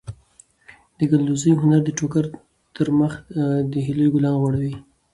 د ګلدوزۍ هنر د ټوکر پر مخ د هیلو ګلان غوړوي.